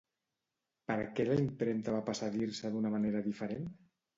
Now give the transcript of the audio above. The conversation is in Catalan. Per què la impremta va passar a dir-se d'una manera diferent?